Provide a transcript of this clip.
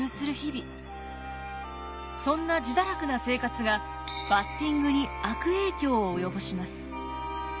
そんな自堕落な生活がバッティングに悪影響を及ぼします。